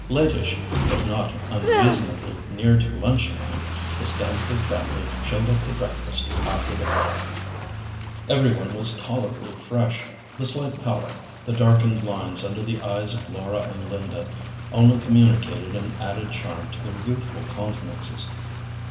Latish, but not unreasonably near to lunchtime, the Stamford family showed up to breakfast after the ball. Every one was tolerably fresh. The slight pallor, the darkened lines under the eyes of Laura and Linda, only communicated an added charm to their youthful countenances.